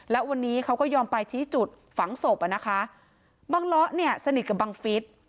แล้ววันนี้เขาก็ยอมไปชี้จุดฝังศพอ่ะนะคะบังเลาะเนี่ยสนิทกับบังฟิศ